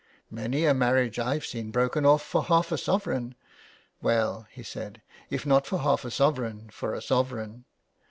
Many a marriage I've seen broken off for a half a sovereign — well/' he said, " if not for half a sovereign, for a sovereign.